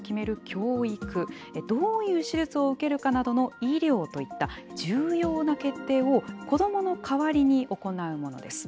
教育どういう手術を受けるかなどの医療といった、重要な決定を子どもの代わりに行うものです。